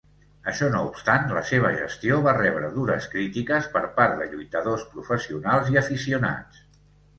Això no obstant, la seva gestió va rebre dures crítiques per part de lluitadors professionals i aficionats.